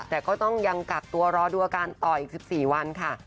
แต่ก็ต้องยังกักตัวรอดูอาการต่ออีก๑๔วันค่ะ